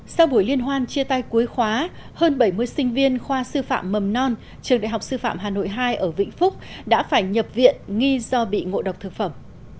sau buổi liên hoan chia tay cuối khóa hơn bảy mươi sinh viên khoa sư phạm mầm non trường đại học sư phạm hà nội hai ở vĩnh phúc đã phải nhập viện nghi do bị ngộ độc thực phẩm